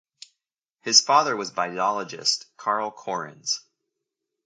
His father was biologist Carl Correns.